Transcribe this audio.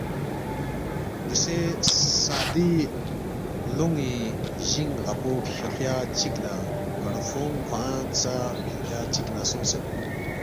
دوسے سادی غلونی جینگ غاپو فیوخیہ چک لا کڑوفونگ کھوانگ ژا فیوخیہ چیک لا سونگسید۔